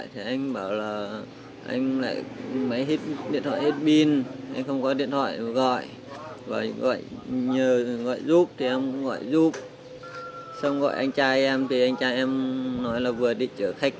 thì anh trai em nói là vừa đi chở khách